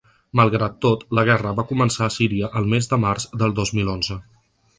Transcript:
Malgrat tot, la guerra va començar a Síria el mes de març del dos mil onze.